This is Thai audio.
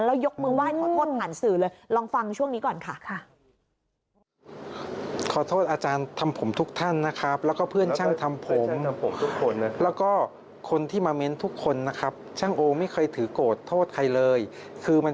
แล้วยกมือว่าขอโทษผ่านสื่อเลย